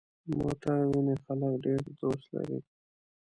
موټر ځینې خلک ډېر دوست لري.